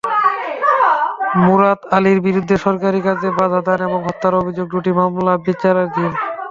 মোরাদ আলীর বিরুদ্ধে সরকারি কাজে বাধাদান এবং হত্যার অভিযোগে দুটি মামলা বিচারাধীন।